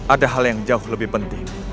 ada hal yang jauh lebih penting